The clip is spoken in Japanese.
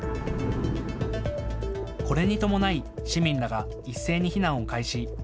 これに伴い市民らが一斉に避難を開始。